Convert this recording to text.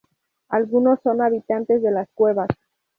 Algunos son habitantes de las cuevas.